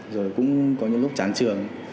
rồi cũng có những lúc chán trường